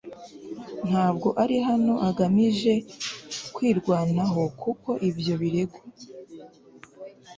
Ntabwo ari hano agamije kwirwanaho kuri ibyo birego